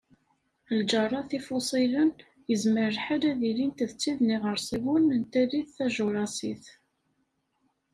Lǧerrat ifuṣilen yezmer lḥal ad ilint d tid n yiɣersiwen n tallit Tajurasit.